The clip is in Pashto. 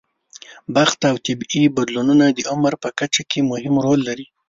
بخت او طبیعي بدلونونه د عمر په کچه کې مهم رول لوبوي.